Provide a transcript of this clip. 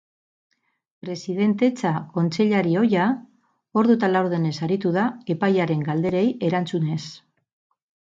Presidentetza kontseilari ohia ordu eta laurdenez aritu da epailearen galderei erantzunez.